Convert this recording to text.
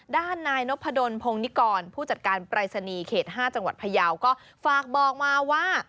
ด้านนายนพดลพงนิกรผู้จัดการปรายศนีย์เขต๕จังหวัดพยาวก็ฝากบอกมาว่า